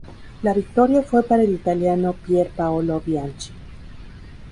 La victoria fue para el italiano Pier Paolo Bianchi.